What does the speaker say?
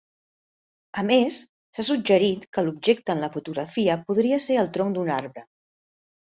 A més, s'ha suggerit que l'objecte en la fotografia podria ser el tronc d'un arbre.